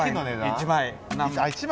１枚。